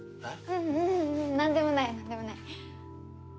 ううんなんでもないなんでもない。